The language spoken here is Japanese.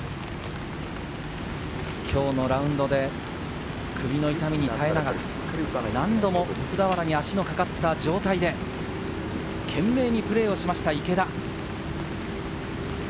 今日のラウンドで首の痛みに耐えながら、何度も徳俵に足のかかった状態で懸命にプレーをしました、池田。